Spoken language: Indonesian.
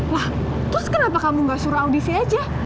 wah terus kenapa kamu gak suruh audisi aja